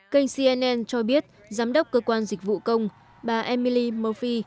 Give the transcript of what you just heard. kênh cnn cho biết giám đốc cơ quan dịch vụ công bà emily mofi